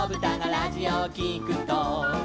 「ラジオをきくと」